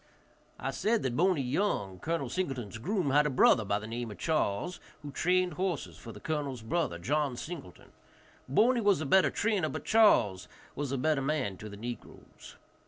I said that Boney Young, Col. Singleton's groom, had a brother by the name of Charles, who trained horses for the colonel's brother, John Singleton, Boney was a better trainer, but Charles was a better man to the negroes.